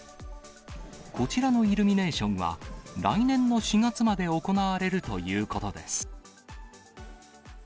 こちらのイルミネーションは、来年の４月まで行われるということです。